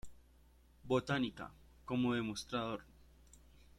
Botánica" como demostrador.